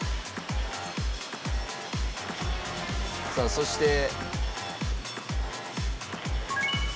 さあそして。